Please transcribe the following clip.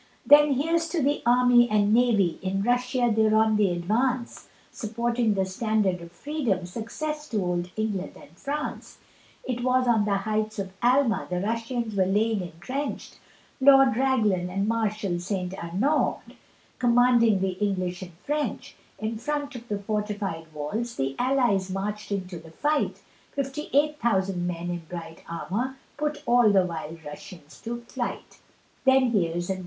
Then here's to the army and navy, In Russia they're on the advance, Supporting the standard of freedom, Success to old England and France. It was on the heights of Alma, The Russians were laying entrench'd Lord Raglan and Marshal St. Arnaud, Commanding the English and French; In front of the fortified walls, The allies marched into the fight, Fifty eight thousand men in bright armour, Put all the wild Russians to flight, Then here's, &c.